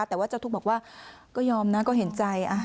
แต่ว่าเจ้าทุกข์บอกว่าก็ยอมนะก็เห็นใจ